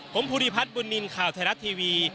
ผมภูริพัฒน์บุญนินทร์ข่าวไทยรัฐทีวี